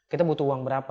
kita butuh uang berapa